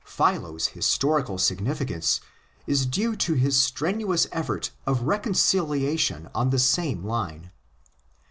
Philo's historical significance is due to his strenuous effort of reconciliation on the same line.